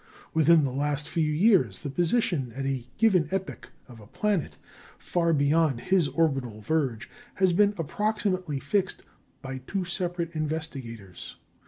Within the last few years the position at a given epoch of a planet far beyond his orbital verge has been approximately fixed by two separate investigators.